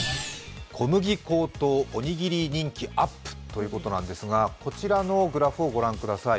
小麦高騰、おにぎり人気アップということなんですがこちらのグラフをご覧ください。